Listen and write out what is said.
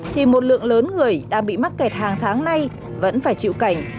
thì một lượng lớn người đang bị mắc kẹt hàng tháng nay vẫn phải chịu cảnh